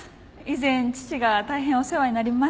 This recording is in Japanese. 以前父が大変お世話になりました。